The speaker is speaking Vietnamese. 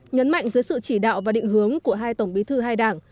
nhấn mạnh dưới sự chỉ đạo và định hướng của hai tổng bí thư hai đảng